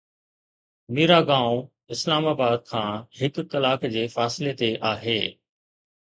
ميراگاون Islamabad کان هڪ ڪلاڪ جي فاصلي تي آهي.